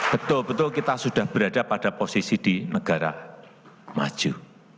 betul betul kita sudah berada pada posisi di negara maju